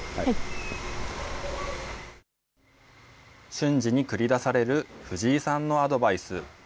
瞬時に繰り出される藤井さんのアドバイス。